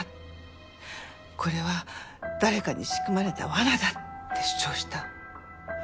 これは誰かに仕組まれた罠だって主張した。